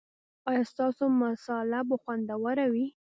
ایا ستاسو مصاله به خوندوره وي؟